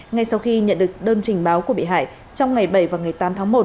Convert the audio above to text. ngay sau khi nhận được đơn trình báo của bị hại trong ngày bảy và ngày tám tháng một